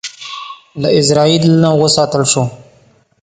له ازرائیل نه وساتل شو.